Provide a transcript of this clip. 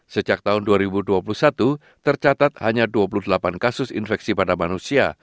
sejak tahun dua ribu dua puluh satu tercatat hanya dua puluh delapan kasus infeksi pada manusia